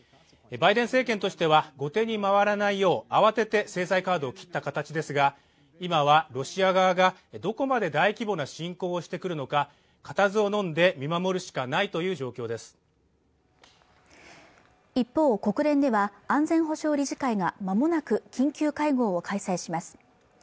バイデン政権としては後手に回らないよう慌てて制裁カードを切った形ですが今はロシア側がどこまで大規模な侵攻をしてくるのか固唾をのんで見守るしかないという状況です一方国連では安全保障理事会がまもなく緊急会合を開催します